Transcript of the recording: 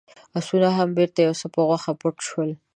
آسونه هم بېرته يو څه په غوښه پټ شول.